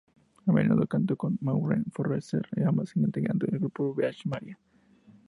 A menudo cantó con Maureen Forrester, ambas integrantes del grupo Bach Aria.